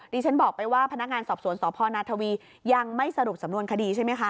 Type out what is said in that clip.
ฉันบอกไปว่าพนักงานสอบสวนสพนาทวียังไม่สรุปสำนวนคดีใช่ไหมคะ